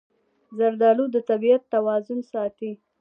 زردالو د طبیعت توازن ساتي.